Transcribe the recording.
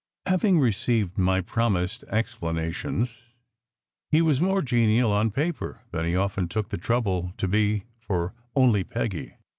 Having received my promised ex planations, he was more genial on paper than he often took the trouble to be for "only Peggy."